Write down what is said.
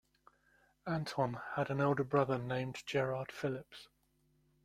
Anton had an elder brother named Gerard Philips.